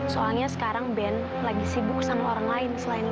soalnya sekarang band lagi sibuk sama orang lain selain